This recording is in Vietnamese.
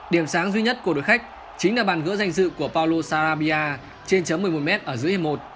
điểm sáng duy nhất của đội khách chính là bàn gỡ danh dự của paulo sarabia trên chấm một mươi một m ở giữa hình một